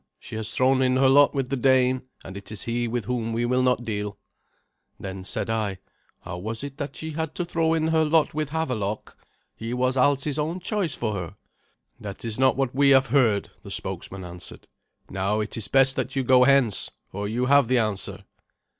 She has thrown in her lot with the Dane, and it is he with whom we will not deal." Then said I, "How was it that she had to throw in her lot with Havelok? He was Alsi's own choice for her." "That is not what we have heard," the spokesman answered. "Now it is best that you go hence, for you have the answer."